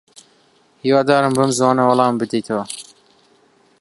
هیوادارم بەم زووانە وەڵامم بدەیتەوە.